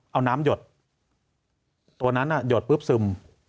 เอาน้ำหยดตัวนั้นหยดปุ๊บซึม